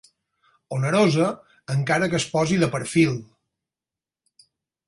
Onerosa, encara que es posi de perfil.